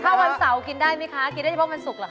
ถ้าวันเสาร์กินได้ไหมคะกินได้เฉพาะวันศุกร์เหรอ